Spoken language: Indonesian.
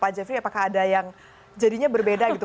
pak jeffrey apakah ada yang jadinya berbeda gitu